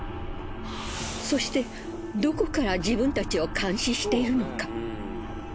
そしてどこから自分たちを監視しているのか？